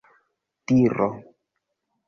diro